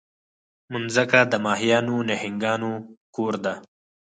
مځکه د ماهیانو، نهنګانو کور ده.